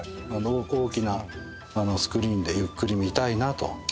大きなスクリーンでゆっくり見たいなと思うでしょ。